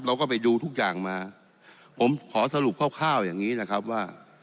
เราก็ไปดูทุกอย่างมาผมขอสรุปคร่าวอย่างนี้นะครับว่า